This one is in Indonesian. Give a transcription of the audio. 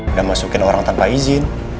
udah masukin orang tanpa izin